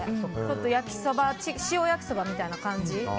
焼きそば塩焼きそばみたいな感じ。